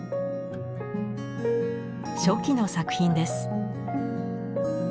初期の作品です。